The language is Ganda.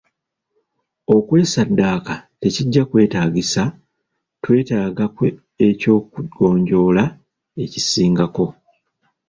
Okwesaddaaka tekijja kwetaagisa, twetaaga eky'okugonjoola ekisingako.